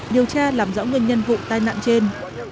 điều tra làm rõ nguyên nhân vụ tai nạn trên